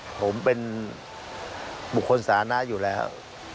ผมเป็นบุคคลสาธารณะอยู่แล้ว